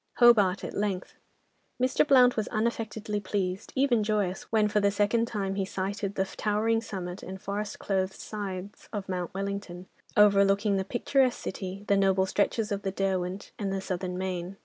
Hobart, at length. Mr. Blount was unaffectedly pleased, even joyous, when for the second time he sighted the towering summit and forest clothed sides of Mount Wellington, overlooking the picturesque city, the noble stretches of the Derwent, and the Southern main.